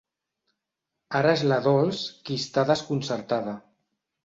Ara és la Dols qui està desconcertada.